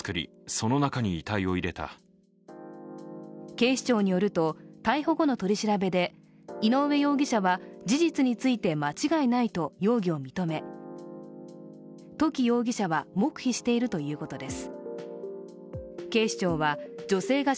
警視庁によると逮捕後の取り調べで井上容疑者は事実について間違いないと容疑を認め土岐容疑者は黙秘しているということです。